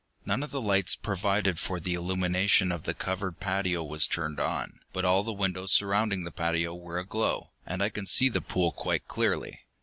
None of the lights provided for the illumination of the covered patio was turned on, but all the windows surrounding the patio were aglow, and I could see the pool quite clearly.